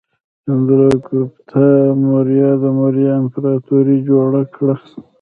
چندراګوپتا موریا د موریا امپراتورۍ جوړه کړه.